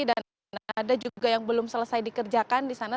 dan ada juga yang belum selesai dikerjakan di sana